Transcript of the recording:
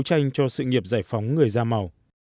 chúc ông đấu tranh cho sự nghiệp giải phóng người da màu